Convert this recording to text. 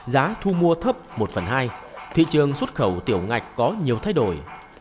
giá thu mua thấp một phần hai thị trường xuất khẩu tiểu ngạch có nhiều thay đổi